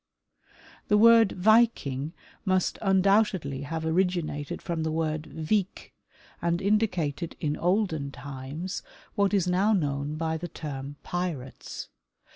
The word " Viking " must undoubtedly have originated from the word " vik," and indicated in olden times what is now known by the term pirates.